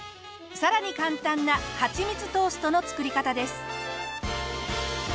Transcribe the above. さらに簡単なはちみつトーストの作り方です。